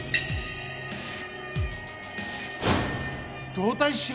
動体視力！？